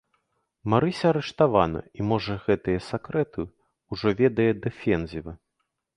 Марыся арыштавана, і, можа, гэтыя сакрэты ўжо ведае дэфензіва?